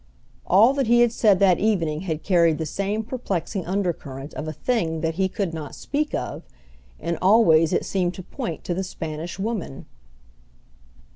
All that he had said that evening had carried the same perplexing undercurrent of a thing that he could not speak of, and always it seemed to point to the Spanish Woman.